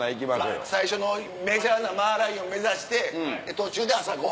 最初のメジャーなマーライオン目指して途中で朝ご飯。